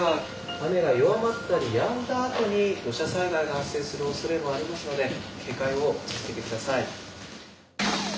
雨が弱まったりやんだあとに土砂災害が発生するおそれもありますので警戒を続けて下さい。